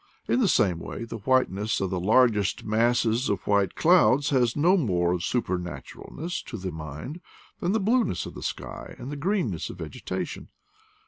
In the same way the whiteness of the largest masses of white clouds has no more of supernaturalness to the mind than the blneness of the sky and the green ness of vegetation.